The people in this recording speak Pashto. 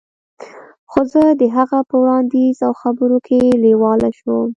خو زه د هغه په وړاندیز او خبرو کې لیواله شوم